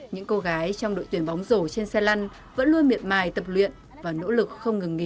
những cô gái trong đội tuyển bóng rổ trên xe lăn vẫn luôn miệt mài tập luyện và nỗ lực không ngừng nghỉ